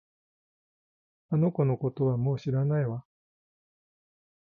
あの子のことはもう知らないわ